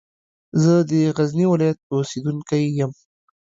زه د غزني ولایت اوسېدونکی یم.